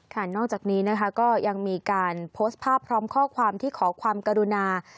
นอกจากนี้นะคะก็ยังมีการโพสต์ภาพพร้อมข้อความที่ขอความกรุณา